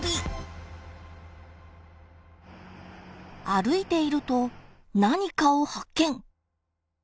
歩いていると何かを発見！